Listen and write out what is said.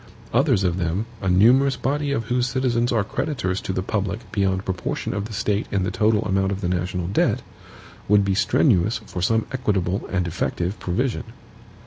Others of them, a numerous body of whose citizens are creditors to the public beyond proportion of the State in the total amount of the national debt, would be strenuous for some equitable and effective provision.